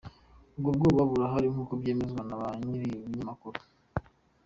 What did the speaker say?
Ubwo bwoba burahari nk’uko byemezwa na ba nyiribinyamakuru.